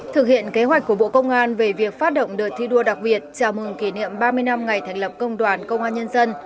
thực hiện kế hoạch của bộ công an về việc phát động đợt thi đua đặc biệt chào mừng kỷ niệm ba mươi năm ngày thành lập công đoàn công an nhân dân